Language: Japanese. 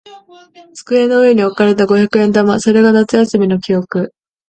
机の上に置かれた五百円玉。それが夏休みの記憶。